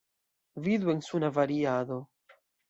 Vidu en suna variado.